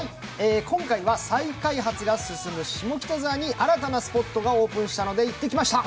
今回は再開発が進む下北沢に新たなスポットがオープンしたので行ってきました。